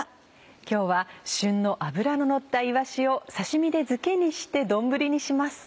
今日は旬の脂ののったいわしを刺し身でづけにして丼にします。